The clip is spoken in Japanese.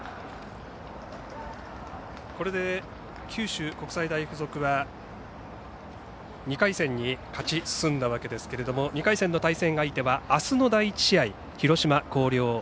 これで九州国際大付属は２回戦に勝ち進んだわけですが２回戦の対戦相手はあすの第１試合広島・広陵